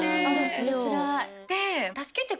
それつらい。